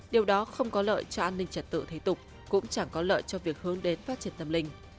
điều đó không có lợi cho an ninh trật tự thế tục cũng chẳng có lợi cho việc hướng đến phát triển tâm linh